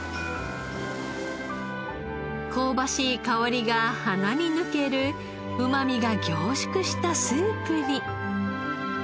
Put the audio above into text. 香ばしい香りが鼻に抜けるうまみが凝縮したスープに。